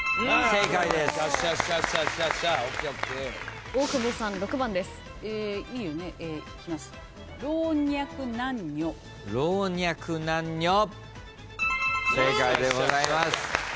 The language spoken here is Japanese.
正解でございます。